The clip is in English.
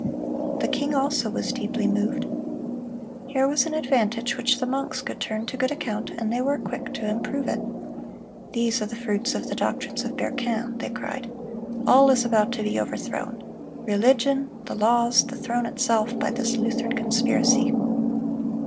The king also was deeply moved. Here was an advantage which the monks could turn to good account, and they were quick to improve it. "These are the fruits of the doctrines of Berquin," they cried. "All is about to be overthrown—religion, the laws, the throne itself—by this Lutheran conspiracy."